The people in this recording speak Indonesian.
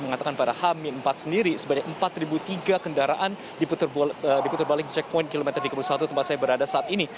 mengatakan pada h empat sendiri sebanyak empat tiga kendaraan diputar balik checkpoint kilometer tiga puluh satu tempat saya berada saat ini